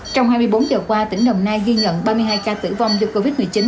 trong hai mươi bốn giờ qua tỉnh đồng nai ghi nhận ba mươi hai ca tử vong do covid một mươi chín